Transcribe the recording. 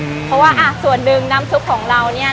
เพราะว่าส่วนหนึ่งน้ำซุปของเราเนี่ย